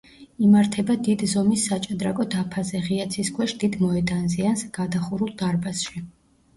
იმართება დიდ ზომის საჭადრაკო დაფაზე, ღია ცის ქვეშ დიდ მოედანზე ან გადახურულ დარბაზში.